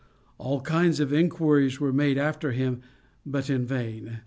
All kinds of inquiries were made after him, but in vain.